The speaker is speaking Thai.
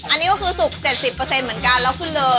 อันนี้ก็คือสุก๗๐เหมือนกันแล้วขึ้นเลย